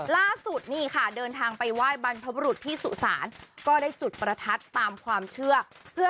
ล่าสุดนี่ค่ะเดินทางไปไหว้บรรพบรุษที่สุสานก็ได้จุดประทัดตามความเชื่อ